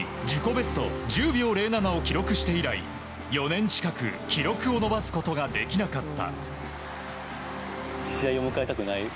ベスト１０秒０７を記録して以来４年近く記録を伸ばすことができなかった。